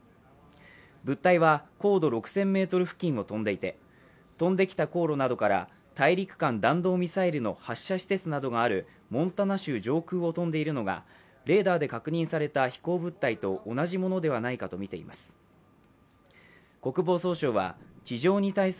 物体は高度６０００ｍ付近を飛んでいて飛んできた航路などから大陸間弾道ミサイルの発射施設などがあるモンタナ州上空を飛んでいるのがレーダーで確認された飛行物体と同じものではないかとみています。